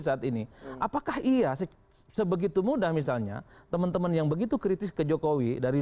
saat ini apakah iya sebegitu mudah misalnya teman teman yang begitu kritis ke jokowi dari